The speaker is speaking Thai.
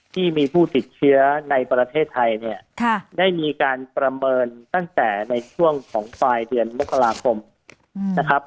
ที่มีผู้ติดเชื้อในประเทศไทยเนี่ยได้มีการประเมินตั้งแต่ในช่วงของปลายเดือนมกราคมนะครับ